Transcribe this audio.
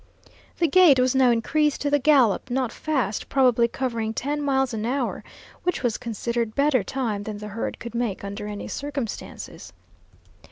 The gait was now increased to the gallop, not fast, probably covering ten miles an hour, which was considered better time than the herd could make under any circumstances.